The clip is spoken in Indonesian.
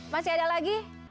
masih ada lagi